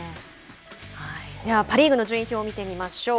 パ・リーグの順位表を見てみましょう。